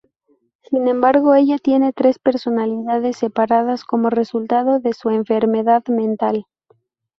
Sin embargo, ella tiene tres personalidades separadas como resultado de su enfermedad mental.